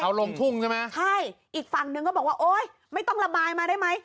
เอาลงทุ่งใช่ไหมใช่อีกฝั่งหนึ่งก็บอกว่าโอ๊ยไม่ต้องระบายมาได้ไหม